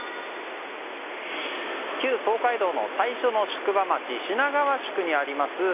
旧東海道の最初の宿場町品川宿にあります